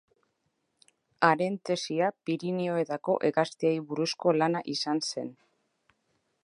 Haren tesia Pirinioetako hegaztiei buruzko lana izan zen.